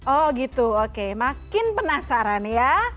oh gitu oke makin penasaran ya